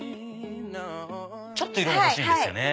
ちょっと色が欲しいんですよね。